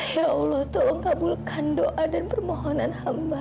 ya allah tolong kabulkan doa dan permohonan hamba